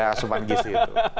iya asupan gizi itu